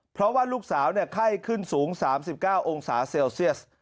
เพราะว่าลูกสาวไข้ขึ้นสูง๓๙องศาเซลเซียส